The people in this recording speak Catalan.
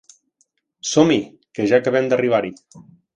Som-hi, que ja acabem d'arribar-hi.